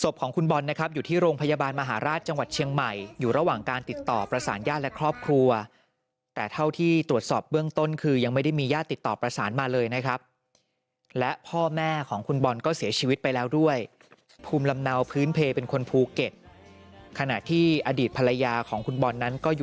ของคุณบอลนะครับอยู่ที่โรงพยาบาลมหาราชจังหวัดเชียงใหม่อยู่ระหว่างการติดต่อประสานญาติและครอบครัวแต่เท่าที่ตรวจสอบเบื้องต้นคือยังไม่ได้มีญาติติดต่อประสานมาเลยนะครับและพ่อแม่ของคุณบอลก็เสียชีวิตไปแล้วด้วยภูมิลำเนาพื้นเพลเป็นคนภูเก็ตขณะที่อดีตภรรยาของคุณบอลนั้นก็อยู่